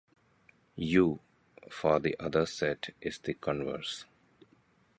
"U" for the other set is the converse.